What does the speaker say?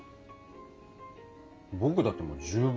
僕だってもう十分。